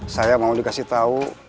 saya mau dikasih tau